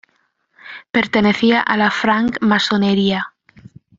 Pertenecía a la Francmasonería.